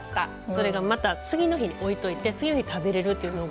それがまた次の日に置いといて次の日食べれるというのが。